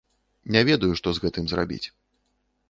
Не ведаю, што з гэтым зрабіць.